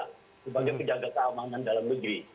sebagai penjaga keamanan dalam negeri